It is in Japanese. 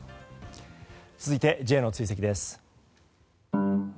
続いてＪの追跡です。